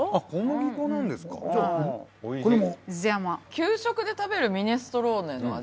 給食で食べるミネストローネの味します。